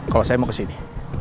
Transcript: kalau saya mau kesini